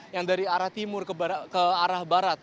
yang dari arah timur ke arah barat